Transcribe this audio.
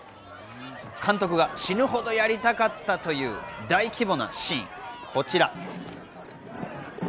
監督が死ぬほどやりたかったという大規模なシーン、こちら。